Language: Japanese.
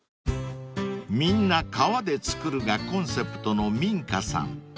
［みんな革で作るがコンセプトのｍｉｎｃａさん］